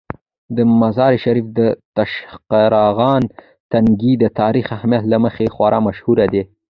د مزار شریف د تاشقرغان تنګي د تاریخي اهمیت له مخې خورا مشهور دی.